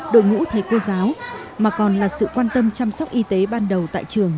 đội ngũ thầy cô giáo mà còn là sự quan tâm chăm sóc y tế ban đầu tại trường